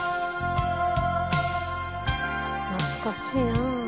懐かしいな。